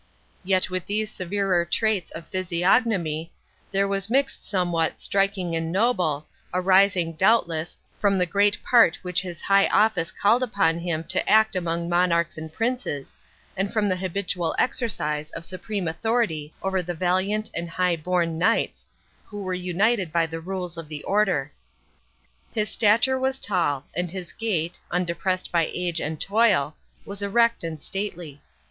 Yet with these severer traits of physiognomy, there was mixed somewhat striking and noble, arising, doubtless, from the great part which his high office called upon him to act among monarchs and princes, and from the habitual exercise of supreme authority over the valiant and high born knights, who were united by the rules of the Order. His stature was tall, and his gait, undepressed by age and toil, was erect and stately.